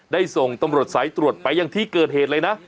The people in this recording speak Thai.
ได้ส่งตรใสตรไปที่เกิดเหตุเลยนะ